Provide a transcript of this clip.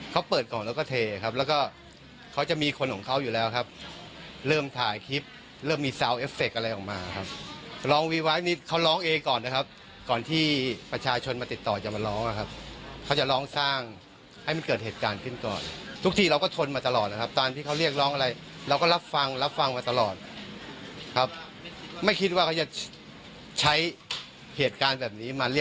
ครับไม่คิดว่าเขาจะใช้เหตุการณ์แบบนี้มาเรียกร้องอะไรอย่างนี้ครับ